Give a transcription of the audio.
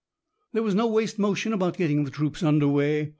There was no waste motion about getting the troops under way.